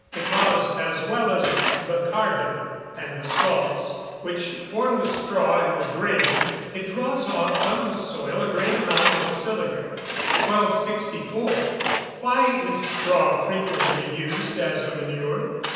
_ Because, as well as the carbon, and the salts, which form the straw and the grain, it draws off from the soil a great amount of silica. 1264. _Why is straw frequently used as a manure?